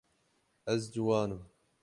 Ez ciwan im.